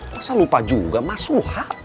masa lupa juga masuha